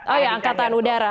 oh ya angkatan udara